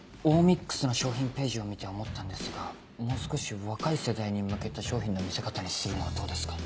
Ｍｉｘの商品ページを見て思ったんですがもう少し若い世代に向けた商品の見せ方にするのはどうですか？